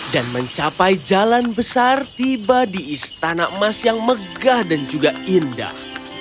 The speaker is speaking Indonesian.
dan mencapai jalan besar tiba di istana emas yang megah dan juga indah